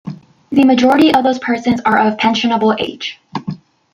The majority of those persons are of pensionable age.